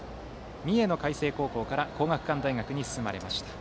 三重の海星高校から皇学館大学に進まれました。